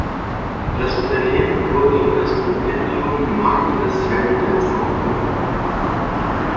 Das Unternehmen wurde in das Kompendium „Marken des Jahrhunderts“ aufgenommen.